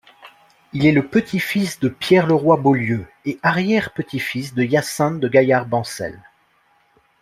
Il est le petit-fils de Pierre Leroy-Beaulieu et arrière petit-fils de Hyacinthe de Gailhard-Bancel.